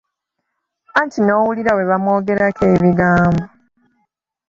Anti n'owulira bwe bamumwogerako ebigambo!